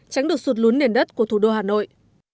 tránh được sụt lún nền đất của thủ đô hà nội